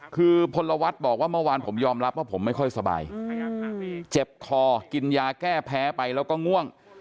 คือพลวัฒน์บอกว่าเมื่อวานผมยอมรับว่าผมไม่ค่อยสบายเจ็บคอกินยาแก้แพ้ไปแล้วก็ง่วง